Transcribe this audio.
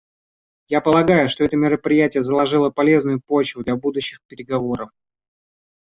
Я полагаю, что это мероприятие заложило полезную почву для будущих переговоров.